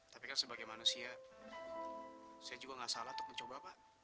tapi kan sebagai manusia saya juga nggak salah untuk mencoba pak